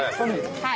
はい。